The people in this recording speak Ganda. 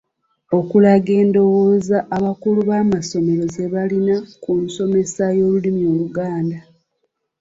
Okulaga endowooza abakulu b’amasomero ze balina ku nsomesa y’Olulimi Oluganda.